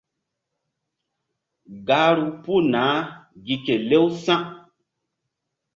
Gahru puh naah gi kelew sa̧.